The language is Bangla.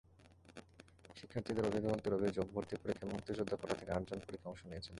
শিক্ষার্থীদের অভিভাবকদের অভিযোগ, ভর্তি পরীক্ষায় মুক্তিযোদ্ধা কোটা থেকে আটজন পরীক্ষায় অংশ নিয়েছিল।